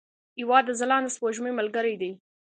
هېواد د ځلانده سپوږمۍ ملګری دی.